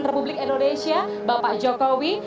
republik indonesia bapak jokowi